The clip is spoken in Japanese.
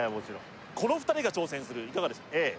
この２人が挑戦するいかがでしょう